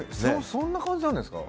そんな感じなんですか。